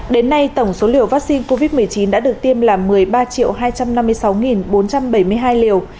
đến nay tổng số liều vaccine covid một mươi chín đã được tiêm là một mươi ba hai trăm năm mươi sáu bốn trăm bảy mươi hai liều